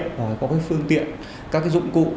phải có cái phương tiện các cái dụng cụ